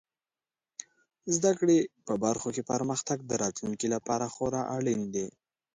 زده کړې په برخو کې پرمختګ د راتلونکي لپاره خورا اړین دی.